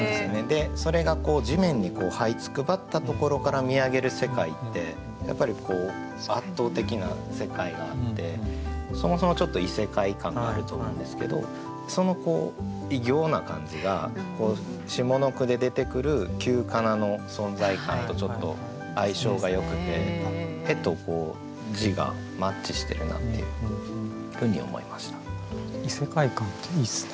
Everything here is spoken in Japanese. それが地面にはいつくばったところから見上げる世界ってやっぱりこう圧倒的な世界があってそもそもちょっと異世界感があると思うんですけどその異形な感じが下の句で出てくる旧仮名の存在感とちょっと相性がよくて絵と字がマッチしてるなっていうふうに思いました。